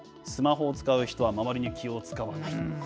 スマホを使う人は周りに気を遣わない。